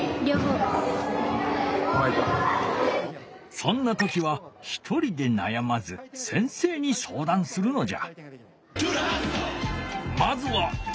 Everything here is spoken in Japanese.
そんな時はひとりでなやまず先生にそうだんするのじゃ。